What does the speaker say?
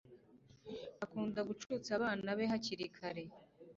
akunda gucutsa abana be hakiri kare